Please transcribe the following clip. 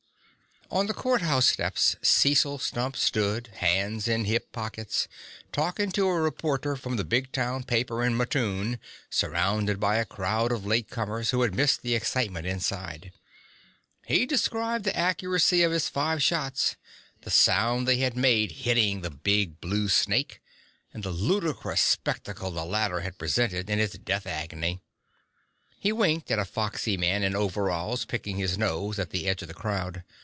On the courthouse steps Cecil Stump stood, hands in hip pockets, talking to a reporter from the big town paper in Mattoon, surrounded by a crowd of late comers who had missed the excitement inside. He described the accuracy of his five shots, the sound they had made hitting the big blue snake, and the ludicrous spectacle the latter had presented in its death agony. He winked at a foxy man in overalls picking his nose at the edge of the crowd.